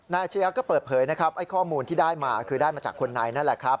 นายเชียร์ก็เปิดเผยนะครับข้อมูลที่ได้มาคือได้มาจากคนนั้นนะครับ